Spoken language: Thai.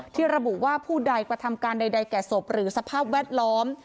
ที่ระบุว่าผู้ใดกระทำการใดแก่ศพหรือสภาพแวดล้อม